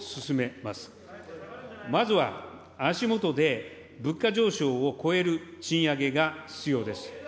まずは足下で、物価上昇を超える賃上げが必要です。